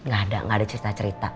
gak ada nggak ada cerita cerita